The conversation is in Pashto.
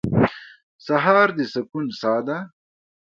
سهار د سکون ساه ده.